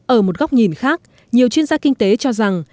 ở một góc nhìn khác nhiều chuyên gia kinh tế cho rằng